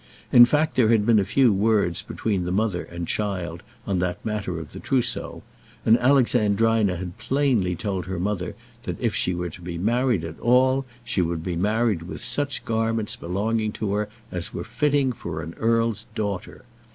In fact there had been a few words between the mother and child on that matter of the trousseau, and Alexandrina had plainly told her mother that if she were to be married at all she would be married with such garments belonging to her as were fitting for an earl's daughter.